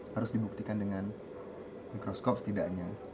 harus dibuktikan dengan mikroskop setidaknya